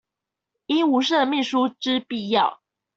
應無設秘書之必要